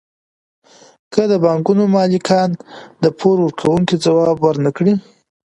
که د بانکونو مالکان د پور ورکوونکو ځواب ورنکړي